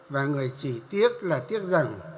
và người chỉ tiếc là tiếc rằng